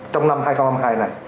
trong năm hai nghìn hai mươi hai này